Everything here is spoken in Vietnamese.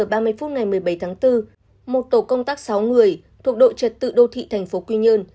trước giờ ba mươi phút ngày một mươi bảy tháng bốn một tổ công tác sáu người thuộc đội trật tự đô thị tp quy nhơn